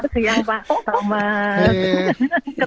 selamat siang pak thomas